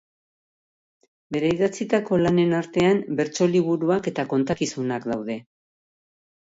Bere idatzitako lanen artean bertso liburuak eta kontakizunak daude.